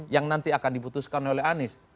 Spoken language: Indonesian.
yang nanti akan diputuskan oleh anies